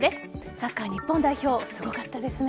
サッカー日本代表すごかったですね。